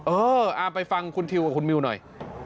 เออไปฟังคุณทิวกับคุณมิวหน่อย